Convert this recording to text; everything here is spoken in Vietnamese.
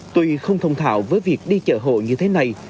tuy không thông thạo với việc đi chợ hộ như thế này